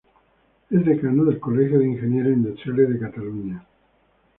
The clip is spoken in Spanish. Es Decano del Colegio de Ingenieros Industriales de Cataluña.